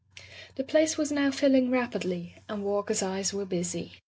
The place was now filling rapidly, and Walker's eyes were busy.